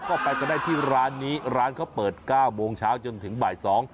ก็ไปกันได้ที่ร้านนี้ร้านเขาเปิด๙โมงเช้าจนถึงบ่ายสอง